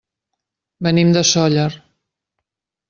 Venim de Sóller.